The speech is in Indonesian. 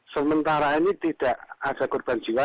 sementara ini tidak ada korban jiwa